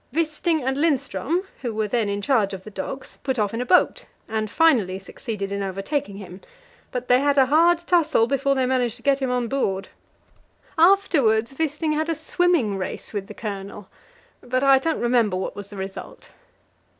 Wisting and Lindström, who were then in charge of the dogs, put off in a boat, and finally succeeded in overtaking him, but they had a hard tussle before they managed to get him on board. Afterwards Wisting had a swimming race with the Colonel, but I don't remember what was the result.